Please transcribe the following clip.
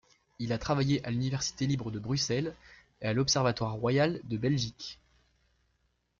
Il a travaillé à l'université libre de Bruxelles et à l'observatoire royal de Belgique.